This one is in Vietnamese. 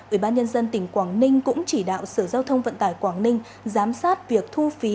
ủy ban nhân dân tỉnh quảng ninh cũng chỉ đạo sở giao thông vận tải quảng ninh giám sát việc thu phí